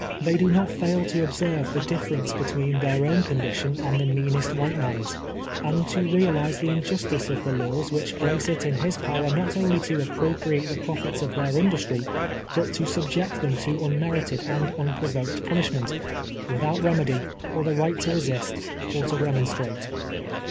They do not fail to observe the difference between their own condition and the meanest white man's, and to realize the injustice of the laws which place it in his power not only to appropriate the profits of their industry, but to subject them to un merited and unprovoked punishment, without reme dy, or the right to resist, or to remonstrate.